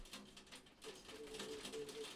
Sir, আমরা গাড়িতে আসিনি।